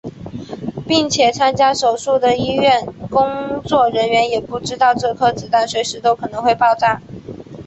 并且参加手术的医院工作人员也不知道这颗子弹随时都可能会爆炸。